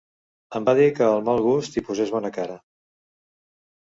Em va dir que al mal gust hi posés bona cara.